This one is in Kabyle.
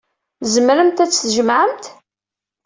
Tzemremt ad tt-tjemɛemt.